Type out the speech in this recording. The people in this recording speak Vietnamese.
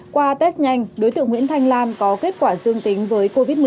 qua test nhanh đối tượng nguyễn thanh lan có kết quả dương tính với covid một mươi chín